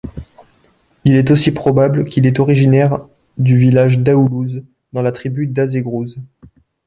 Il est aussi probable qu'il est originaire du village d'Aoulouz dans la tribu d'Azegrouz.